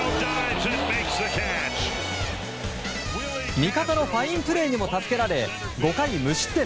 味方のファインプレーにも助けられ、５回無失点。